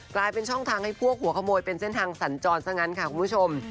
กลายเป็นช่องทางให้พวกหัวขโมยเป็นเส้นทางสัญจรซะงั้นค่ะคุณผู้ชม